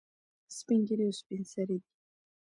سپین ږیري او سپین سرې دي.